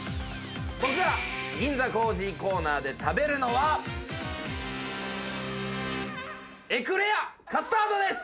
僕が銀座コージーコーナーで食べるのはエクレアカスタードです。